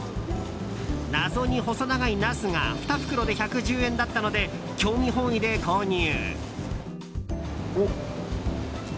謎に細長いナスが２袋で１１０円だったので興味本位で購入。